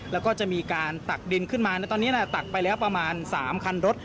แล้วก็จะมีการตักดินขึ้นมาในตอนนี้ตักไปแล้วประมาณ๓คันรถ